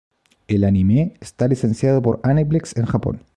El anime está licenciado por Aniplex en Japón.